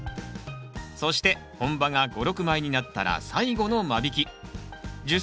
そして本葉が５６枚になったら最後の間引き。